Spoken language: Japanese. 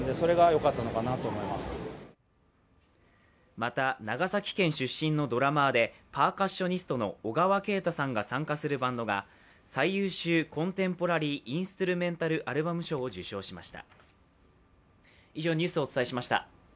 また、長崎県出身のドラマーでパーカッショニストの小川慶太さんが参加するバンドが最優秀コンテンポラリー・インストゥルメンタル・アルバム賞を受賞しました。